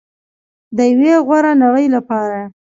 د یوې غوره نړۍ لپاره.